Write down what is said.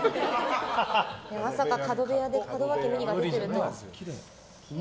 まさか角部屋で門脇麦が出てくるとは。